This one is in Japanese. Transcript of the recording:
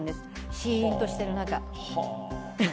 シーンとしてる中。